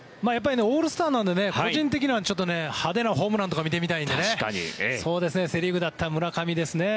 オールスターなので個人的には派手なホームランとか見てみたいのでセ・リーグだったら村上ですね。